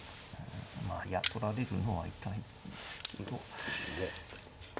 まあいや取られるのは痛いんですけど。